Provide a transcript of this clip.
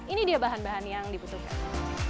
ini dia bahan bahan yang dibutuhkan